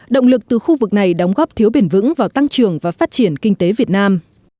động lực từ khu vực này đóng góp thiếu bền vững vào tăng trưởng và phát triển kinh tế việt nam